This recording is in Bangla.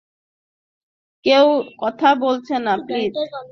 কেউ কথা বলবেন না, প্লিজ!